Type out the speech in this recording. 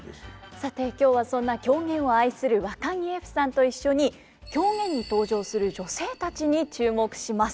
さて今日はそんな狂言を愛するわかぎゑふさんと一緒に狂言に登場する女性たちに注目します。